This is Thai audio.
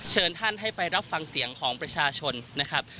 เชิญท่านให้ไปรับฟังเสียงของประชาชนนะครับ